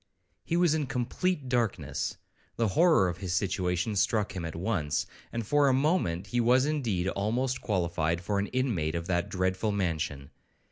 He was in complete darkness; the horror of his situation struck him at once, and for a moment he was indeed almost qualified for an inmate of that dreadful mansion.